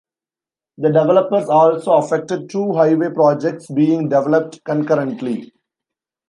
The developers also affected two highway projects being developed concurrently.